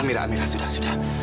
amira amira sudah sudah